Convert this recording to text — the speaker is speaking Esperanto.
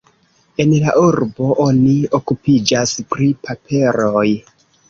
En la urbo oni okupiĝas pri paperoj.